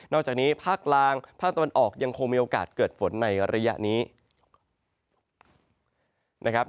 อกจากนี้ภาคกลางภาคตะวันออกยังคงมีโอกาสเกิดฝนในระยะนี้นะครับ